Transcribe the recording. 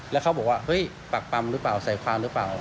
แล้วเขาบอกว่าเฮ้ยปากปำหรือเปล่าใส่ความหรือเปล่า